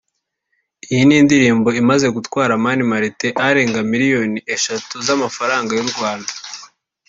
Iyi ni indirimbo imaze gutwara Mani Martin arenga miliyoni eshatu z’amafaranga y’u Rwanda